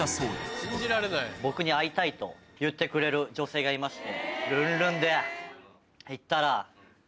僕に会いたいと行ってくれる女性がいまして。